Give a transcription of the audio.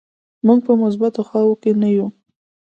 موږ په مثبتو خواو کې نه یو.